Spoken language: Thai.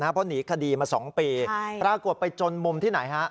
เพราะหนีคดีมา๒ปีปรากฏไปจนมุมที่ไหนฮะ